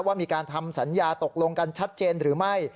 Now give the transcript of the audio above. ว่ามีการทำสัญญาตกลงกันชัดเจนหรือไม่